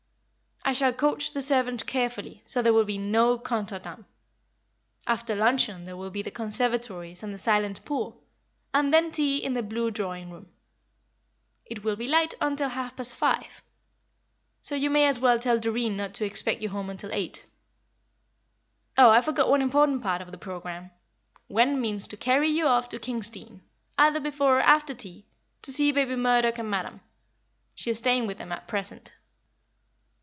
I shall coach the servants carefully, so there will be no contretemps. After luncheon there will be the conservatories and the Silent Pool, and then tea in the blue drawing room; it will be light until half past five, so you may as well tell Doreen not to expect you home until eight. Oh, I forgot one important part of the programme: Gwen means to carry you off to Kingsdene, either before or after tea, to see baby Murdoch and Madam; she is staying with them at present."